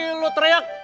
sekali lagi lo teriak